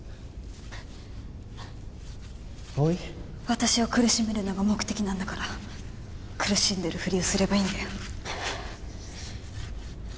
私を苦しめるのが目的なんだから苦しんでるふりをすればいいんだよ。